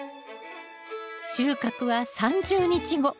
収穫は３０日後。